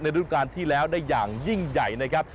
รูปการณ์ที่แล้วได้อย่างยิ่งใหญ่นะครับ